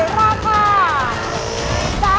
ราคา